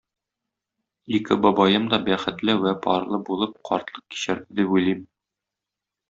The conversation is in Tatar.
Ике бабаем да бәхетле вә парлы булып картлык кичерде дип уйлыйм.